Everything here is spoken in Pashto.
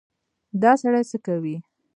_دا سړی څه کوې؟